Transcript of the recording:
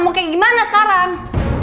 mau kayak gimana sekarang